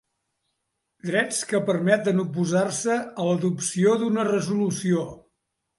Drets que permeten oposar-se a l'adopció d'una resolució.